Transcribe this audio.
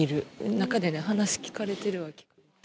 中で話聞かれてるわ。